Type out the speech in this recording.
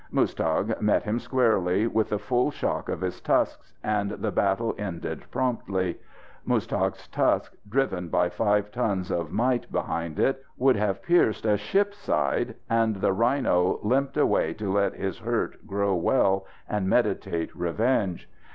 Muztagh met him squarely, with the full shock of his tusks, and the battle ended promptly. Muztagh's tusk, driven by five tons of might behind it, would have pierced a ship's side, and the rhino limped away to let his hurt grow well and meditate revenge.